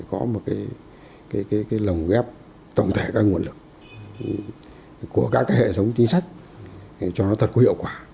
có một cái lồng ghép tổng thể các nguồn lực của các hệ thống chính sách cho nó thật có hiệu quả